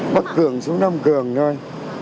bắt cường xuống nam cường thôi